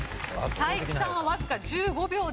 才木さんはわずか１５秒で。